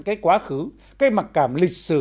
cái quá khứ cái mặt cảm lịch sử